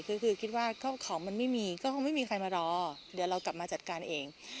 คือคือคิดว่าของมันไม่มีก็คงไม่มีใครมารอเดี๋ยวเรากลับมาจัดการเอง